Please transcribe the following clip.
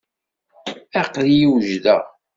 Aql-iyi wejdeɣ.